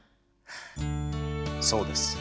そうです。